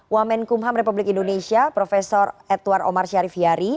wamenkumham republik indonesia profesor edward omar syarifiari